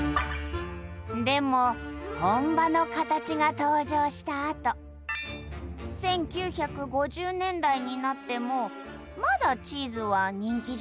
でも本場のカタチが登場したあと１９５０年代になってもまだチーズは人気じゃないの。